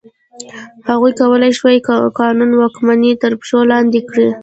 هغوی کولای شول قانون واکمني تر پښو لاندې کړي.